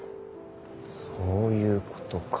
そういうことか。